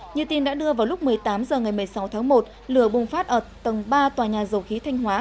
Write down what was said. như tin đã đưa vào lúc một mươi tám h ngày một mươi sáu tháng một lửa bùng phát ở tầng ba tòa nhà dầu khí thanh hóa